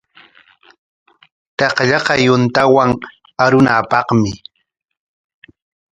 Takllaqa yuntawan arunapaqmi.